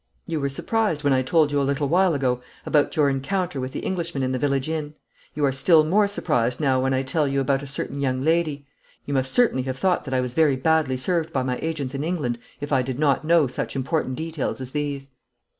'You were surprised when I told you a little while ago about your encounter with the Englishman in the village inn. You are still more surprised now when I tell you about a certain young lady. You must certainly have thought that I was very badly served by my agents in England if I did not know such important details as these.'